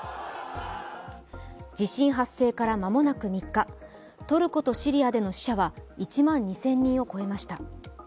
地震発生から間もなく３日、トルコとシリアでの死者は１万２０００人を超えました。